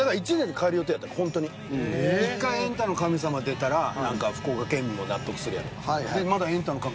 だから１回「エンタの神様」出たら福岡県民も納得するやろって。